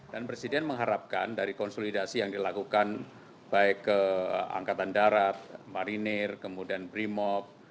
dan presiden mengharapkan dari konsolidasi yang dilakukan baik ke angkatan darat marinir kemudian brimob